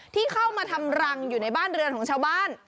ที่เข้ามาทำรังอยู่ในบ้านเรือนของชาวบ้าน